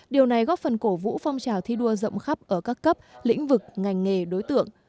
điều này góp phần cổ vũ phong trào thi đua rộng khắp ở các cấp lĩnh vực ngành nghề đối tượng